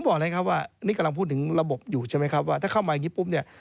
บอกเลยครับว่านี่กำลังพูดถึงระบบอยู่ใช่ไหมครับว่าถ้าเข้ามาอย่างนี้ปุ๊บเนี่ย